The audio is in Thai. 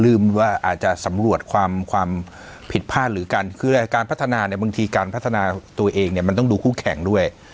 ว่าอาจจะสำรวจความความผิดพลาดหรือกันคือการพัฒนาเนี่ยบางทีการพัฒนาตัวเองเนี่ยมันต้องดูคู่แข่งด้วย